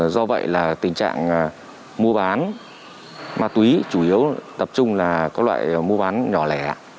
do vậy là tình trạng mua bán ma túy chủ yếu tập trung là các loại mua bán nhỏ lẻ